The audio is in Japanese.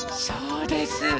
そうです。